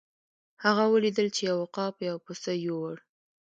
هغه ولیدل چې یو عقاب یو پسه یووړ.